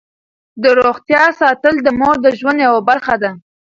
د روغتیا ساتل د مور د ژوند یوه برخه ده.